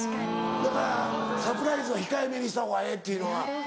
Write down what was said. だからサプライズは控えめにした方がええっていうのは。